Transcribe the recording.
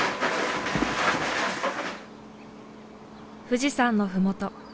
富士山のふもと